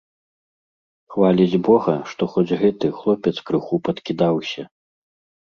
Хваліць бога, што хоць гэты хлопец крыху падкідаўся.